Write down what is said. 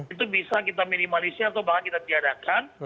itu bisa kita minimalisir atau bahkan kita tiadakan